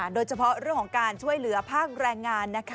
โดยเฉพาะเรื่องของการช่วยเหลือภาคแรงงาน